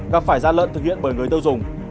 gặp phải gian lợn thực hiện bởi người tiêu dùng